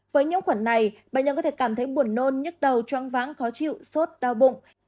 với nhiễm khuẩn này bệnh nhân có thể cảm thấy buồn nôn nhức đầu choáng váng khó chịu sốt đau bụng